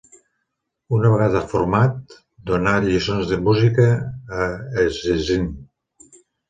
Una vegada format, donà lliçons de música a Szczecin.